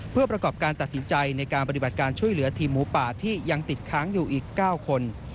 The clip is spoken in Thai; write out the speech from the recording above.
เพื่อประกอบการตัดสินใจในการปฏิบัติการช่วยเหลือทีมหมูป่าที่ยังติดค้างอยู่อีก๙คน